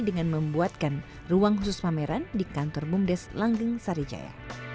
dengan membuatkan ruang khusus pameran di kantor bumdes langgeng sarijaya